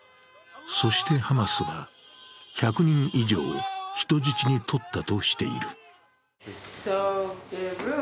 そしてハマスは１００人以上を人質にとったとしている。